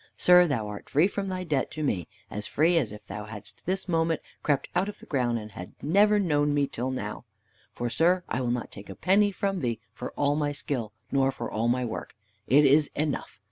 Sir, thou art free from thy debt to me, as free as if thou hadst this moment crept out of the ground, and hadst never known me till now. For, sir, I will not take a penny from thee for all my skill, nor for all my work. It is enough!